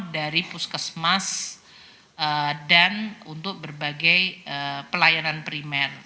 dari puskesmas dan untuk berbagai pelayanan primer